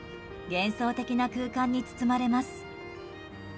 幻想的な空間に包まれます。